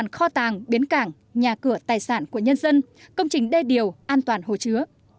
kho tàng bến cảng nhà cửa tài sản của nhân dân công trình đê điều an toàn hồ chứa